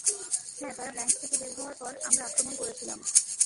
হ্যাঁ, তারা ব্যাংক থেকে বের হওয়ার পর আমরা আক্রমন করেছিলাম।